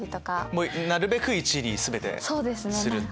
もうなるべく１に全てするっていう。